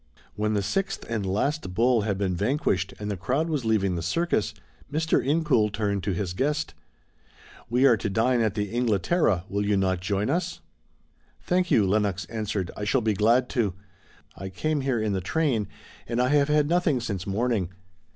When the sixth and last bull had been vanquished and the crowd was leaving the circus, Mr. Incoul turned to his guest, "We are to dine at the Inglaterra, will you not join us?" "Thank you," Lenox answered, "I shall be glad to. I came here in the train and I have had nothing since morning.